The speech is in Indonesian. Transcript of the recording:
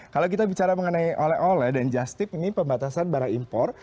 kalau kita bicara mengenai oleh oleh dan just tip ini pembatasan barang impor